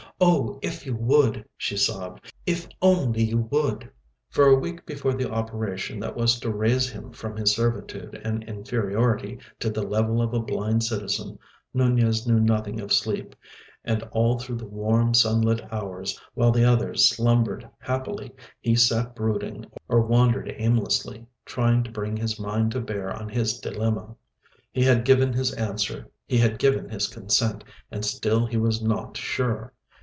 "Oh, if you would," she sobbed, "if only you would!" For a week before the operation that was to raise him from his servitude and inferiority to the level of a blind citizen Nunez knew nothing of sleep, and all through the warm, sunlit hours, while the others slumbered happily, he sat brooding or wandered aimlessly, trying to bring his mind to bear on his dilemma. He had given his answer, he had given his consent, and still he was not sure.